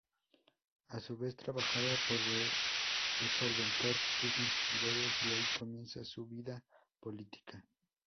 A su vez trabajaba para solventar sus necesidades y ahí comienza su vida política.